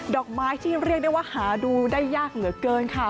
อกไม้ที่เรียกได้ว่าหาดูได้ยากเหลือเกินค่ะ